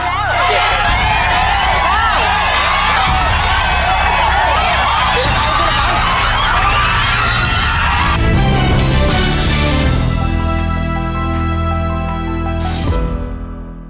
ขอบคุณครับครับครับ